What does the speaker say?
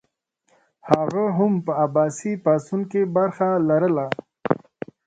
هغه هم په عباسي پاڅون کې برخه لرله.